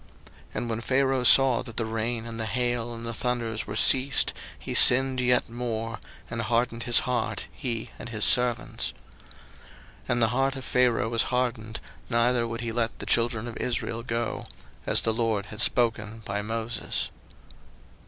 02:009:034 And when Pharaoh saw that the rain and the hail and the thunders were ceased, he sinned yet more, and hardened his heart, he and his servants. 02:009:035 And the heart of Pharaoh was hardened, neither would he let the children of Israel go; as the LORD had spoken by Moses.